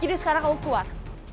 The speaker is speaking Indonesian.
jadi sekarang kamu keluar